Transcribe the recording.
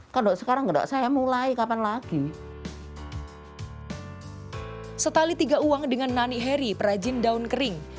kalau sekarang enggak saya mulai kapan lagi setali tiga uang dengan nani harry perajin daun kering